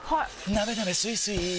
なべなべスイスイ